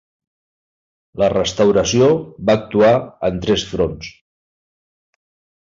La restauració va actuar en tres fronts.